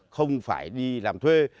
không phải đi làm thuê